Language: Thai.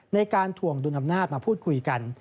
ในการถวงดุลอำนาจมาพูดคุยกัน